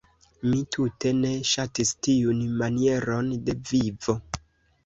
Mi tute ne ŝatis tiun manieron de vivo.